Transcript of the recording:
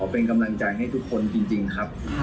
เป็นกำลังใจให้ทุกคนจริงครับ